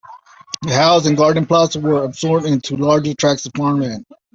The house and garden plots were absorbed into larger tracts of farmland.